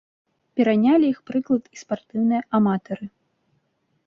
Перанялі іх прыклад і спартыўныя аматары.